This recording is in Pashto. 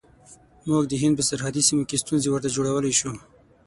موږ د هند په سرحدي سیمو کې ستونزې ورته جوړولای شو.